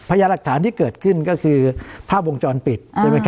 พยาหลักฐานที่เกิดขึ้นก็คือภาพวงจรปิด